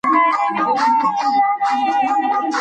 زه پوهیږم چې پښتو زما مورنۍ ژبه ده.